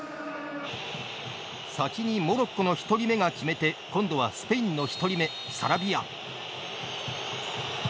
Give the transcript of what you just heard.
先にモロッコの１人目が決めて今度はスペインの１人目サラビア。